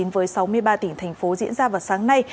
với sáu mươi ba tỉnh thành phố diễn ra vào sáng nay